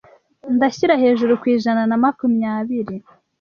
ndashyira hejuru kwijana na makumyabiri